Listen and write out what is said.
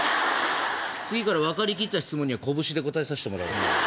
次から分かりきった質問には拳で応えさせてもらう。